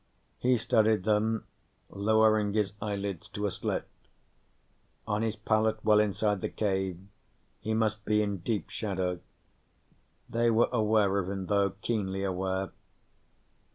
He studied them, lowering his eyelids to a slit. On his pallet well inside the cave, he must be in deep shadow. They were aware of him, though, keenly aware.